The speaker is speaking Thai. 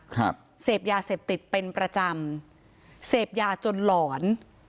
เสพยาเสพติดเป็นประจำเสพยาจนหลอน